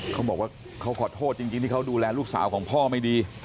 เขาบอกว่าเขาขอโทษจริงที่เขาดูแลลูกสาวของพ่อไม่ดี